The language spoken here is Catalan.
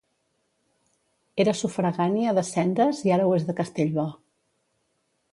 Era sufragània de Sendes i ara ho és de Castellbò.